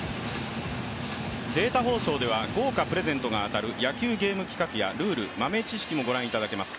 データ放送では豪華プレゼントが当たる野球ゲーム企画やルール、豆知識もご覧いただけます。